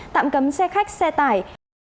tạm cấm xe khách xe tải